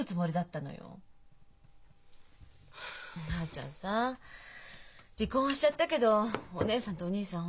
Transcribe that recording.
ちゃんさ離婚はしちゃったけどお義姉さんとお義兄さん